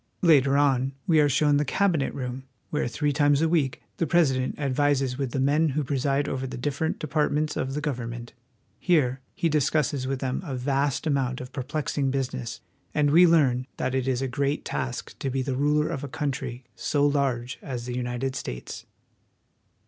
The Capitol. Later on we are shown the Cabinet Room, where, three times a week, the President advises with the men who preside over the different departments of the government. Here he discusses with them a vast amount of perplexing business ; and we learn that it is a great task to be the ruler of a country so large as the United States.